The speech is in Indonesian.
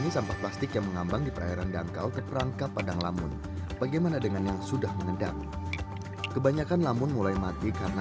sampah plastik di laut